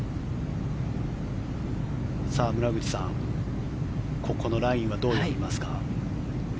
村口さん、ここのラインはどう読みますか。